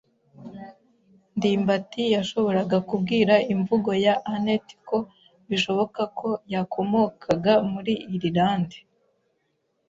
ndimbati yashoboraga kubwira imvugo ya anet ko bishoboka ko yakomokaga muri Irilande.